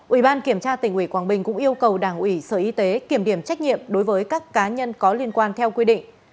ubktqb cũng yêu cầu đảng ủy sở y tế kiểm điểm trách nhiệm đối với các cá nhân có liên quan theo quy định